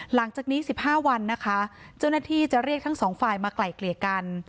หลังจากนี้๑๕วันนะคะเจ้าหน้าที่จะเรียกทั้งสองฝ่ายมาไกล่เกลี่ยกัน